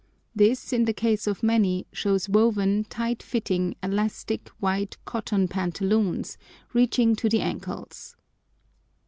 This, in the case of many, shows woven, tight fitting, elastic, white cotton pantaloons, reaching to the ankles.